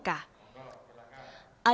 di jawa timur